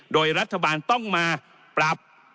โดยรัฐบาลต้องมาปรับ